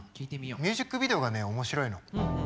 ミュージックビデオがおもしろいの。